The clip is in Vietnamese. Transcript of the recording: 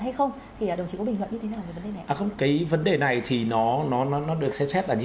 hay không thì là đồng chí có bình luận như thế nào không cái vấn đề này thì nó nó nó được xét là như